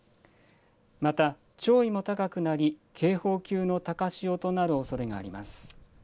また潮位も高くなり警報級の高潮となるおそれがあります。